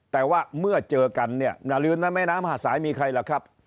แต่ว่าเมื่อเจอกันเนี่ยอย่าลืมนะแม่น้ำหาดสายมีใครล่ะครับ